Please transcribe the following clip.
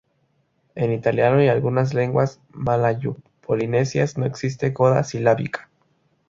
En italiano y algunas lenguas malayo-polinesias no existe coda silábica.